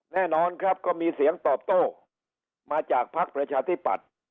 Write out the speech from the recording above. แน่นอนครับก็มีเสียงตอบโต้มาจากภักดิ์ประชาธิปัตย์